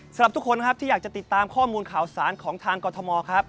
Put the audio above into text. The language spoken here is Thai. สำหรับทุกคนครับที่อยากจะติดตามข้อมูลข่าวสารของทางกรทมครับ